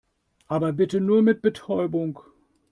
Aber bitte nur mit Betäubung.